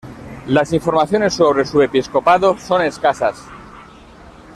Las informaciones sobre su episcopado son escasas.